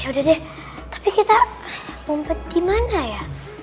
yaudah deh tapi kita mumpet dimana ya